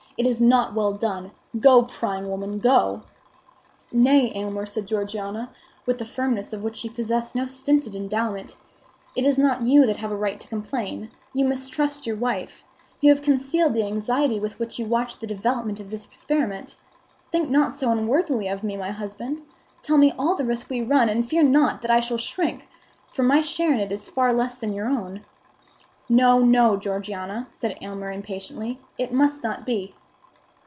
It is not well done. Go, prying woman, go!" "Nay, Aylmer," said Georgiana with the firmness of which she possessed no stinted endowment, "it is not you that have a right to complain. You mistrust your wife; you have concealed the anxiety with which you watch the development of this experiment. Think not so unworthily of me, my husband. Tell me all the risk we run, and fear not that I shall shrink; for my share in it is far less than your own." "No, no, Georgiana!" said Aylmer, impatiently; "it must not be."